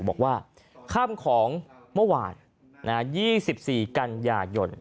บอกว่าค่ำของเมื่อวาน๒๔กันยายน